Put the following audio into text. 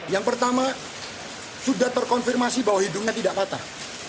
yang pertama sudah terkonfirmasi bahwa hidungnya tidak patah